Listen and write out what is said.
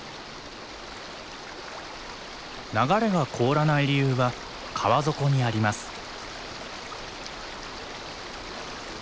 流れが凍らない理由は川底にあります。